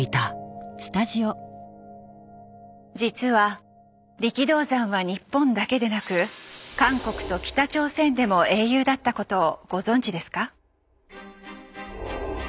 実は力道山は日本だけでなく韓国と北朝鮮でも英雄だったことをご存じですか？